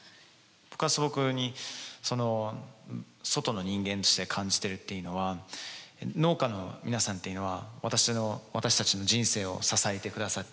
僕は素朴にその外の人間として感じてるっていうのは農家の皆さんというのは私たちの人生を支えてくださっている。